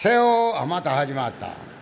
「あっまた始まった」。